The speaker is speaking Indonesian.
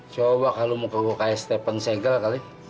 coba kalo muka gue kayak steven segel kali